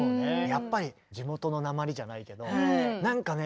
やっぱり地元のなまりじゃないけどなんかね